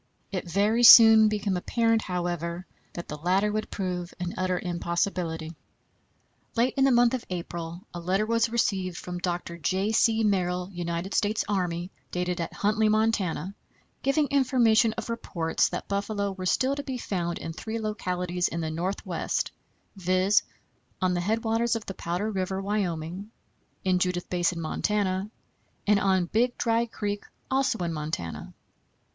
It very soon became apparent, however, that the latter would prove an utter impossibility. Late in the month of April a letter was received from Dr. J. C. Merrill, United States Army, dated at Huntley, Montana, giving information of reports that buffalo were still to be found in three localities in the Northwest, viz: on the headwaters of the Powder River, Wyoming; in Judith Basin, Montana; and on Big Dry Creek, also in Montana.